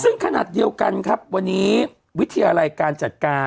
ซึ่งขนาดเดียวกันครับวันนี้วิทยาลัยการจัดการ